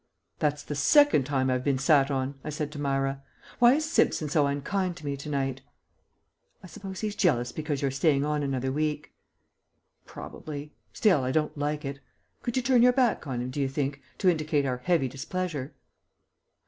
"That's the second time I've been sat on," I said to Myra, "Why is Simpson so unkind to me to night?" "I suppose he's jealous because you're staying on another week." "Probably; still, I don't like it. Could you turn your back on him, do you think, to indicate our heavy displeasure?"